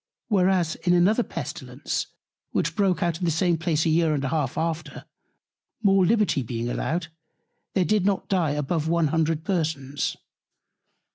Whereas in another Pestilence, which broke out in the same Place a year and half after, more Liberty being allowed, there did not dye above one hundred Persons.